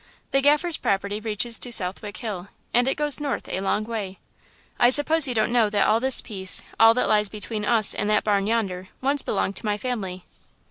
"The Gaffer's property reaches to Southwick Hill, and it goes north a long way. I suppose you don't know that all this piece, all that lies between us and that barn yonder, once belonged to my family."